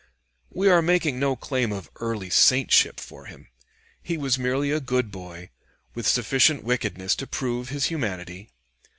"We are making no claim of early saintship for him. He was merely a good boy, with sufficient wickedness to prove his humanity.